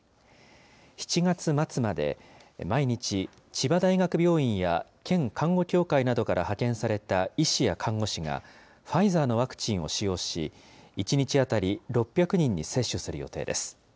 ７月末まで毎日、千葉大学病院や県看護協会などから派遣された医師や看護師が、ファイザーのワクチンを使用し、１日当たり６００人に接種する予定です。